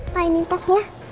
pak ini tasnya